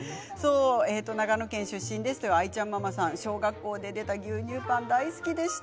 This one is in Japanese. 長野県出身ですという方小学校で出た牛乳パン大好きでした。